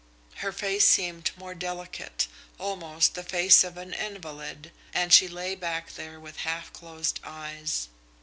Her face seemed more delicate, almost the face of an invalid, and she lay back there with half closed eyes.